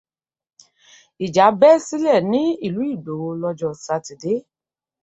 Ìjà bẹ́ sílẹ̀ ní ìlú Ìgbòho lọ́jọ́ Sátidé.